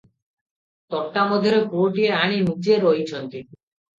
ତୋଟା ମଧ୍ୟରେ ପୁଆଟିଏ ଆଣି ନିଜେ ରୋଇଛନ୍ତି ।